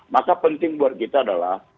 maka penting buat kita adalah